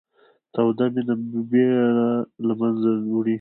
توده مینه بېره له منځه وړي